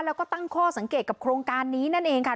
แล้วก็ตั้งข้อสังเกตกับโครงการนี้นั่นเองค่ะ